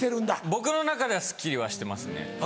僕の中ではすっきりはしてますね。